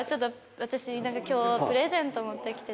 私今日プレゼント持ってきてて。